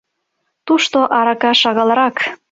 — Тушто арака шагалрак.